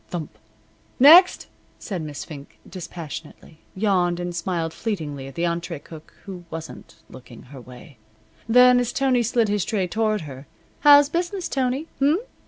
Thump! "Next!" said Miss Fink, dispassionately, yawned, and smiled fleetingly at the entree cook who wasn't looking her way. Then, as Tony slid his tray toward her: "How's business, Tony?